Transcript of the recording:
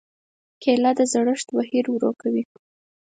کېله د زړښت بهیر ورو کوي.